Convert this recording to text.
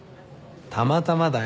たまたまだよ。